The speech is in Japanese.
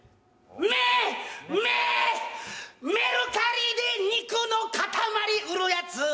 メメメルカリで肉の塊売るヤツ！